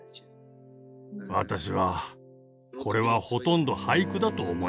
私はこれはほとんど俳句だと思いました。